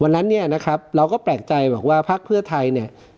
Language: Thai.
วันนั้นเนี่ยนะครับเราก็แปลกใจบอกว่าพักเพื่อไทยเนี่ย